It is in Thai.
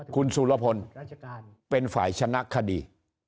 คุณสุรพลเป็นฝ่ายชนะคดี